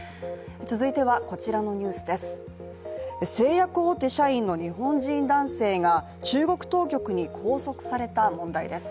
製薬大手の日本人男性が中国当局に拘束された問題です。